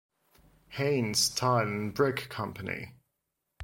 Haines tile and brick company.